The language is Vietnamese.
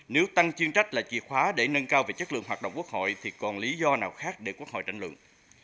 nếu tăng chuyên trách là chìa khóa để nâng cao về chất lượng hoạt động quốc hội thì còn lý do nào khác để quốc hội tranh luận